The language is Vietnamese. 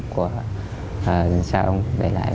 của gia đình cha ông để lại